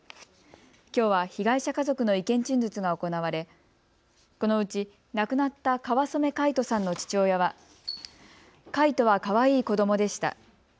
きょうは被害者家族の意見陳述が行われこのうち亡くなった川染凱仁さんの父親は凱仁はかわいい子どもでした。